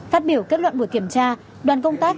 phát biểu kết luận buổi kiểm tra đoàn công tác